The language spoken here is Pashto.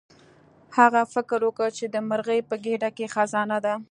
هغه فکر وکړ چې د مرغۍ په ګیډه کې خزانه ده.